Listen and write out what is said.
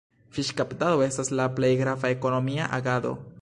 Fiŝkaptado estas la plej grava ekonomia agado.